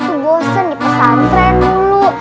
aku bosen di pesantren dulu